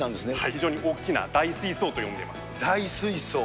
非常に大きな大水槽と呼んで大水槽。